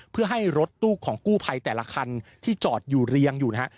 เพื่อให้รถตู้ของกู้ภัยแต่ละคันที่จอดอยู่เรียงอยู่นะฮะ